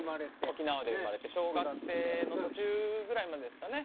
沖縄で生まれて小学生の途中ぐらいまでですかね